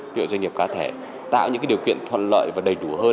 kiểu doanh nghiệp cá thể tạo những điều kiện thuận lợi và đầy đủ hơn